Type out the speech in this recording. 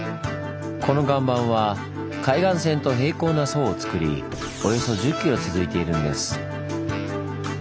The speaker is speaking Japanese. この岩盤は海岸線と平行な層をつくりおよそ１０ｋｍ続いているんです。